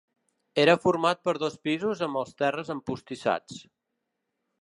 Era format per dos pisos amb els terres empostissats.